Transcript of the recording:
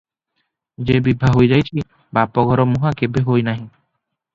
ଯେ ବିଭା ହୋଇ ଯାଇଛି, ବାପ-ଘରମୁହାଁ କେଭେ ହୋଇନାହିଁ ।